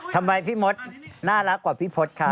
ทำไมพี่มดน่ารักกว่าพี่พฤทธิ์ครับ